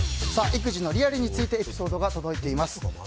育児のリアルについてエピソードが届いています。